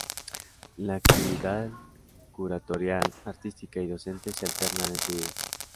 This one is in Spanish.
La actividad curatorial, artística y docente se alternan es su vida.